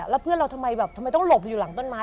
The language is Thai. แล้วเพื่อนเราทำไมต้องหลบอยู่หลังต้นไม้